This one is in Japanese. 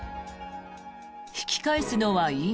「引き返すのは今！